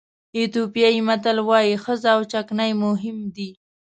ایتیوپیایي متل وایي ښځه او چکنۍ مهم دي.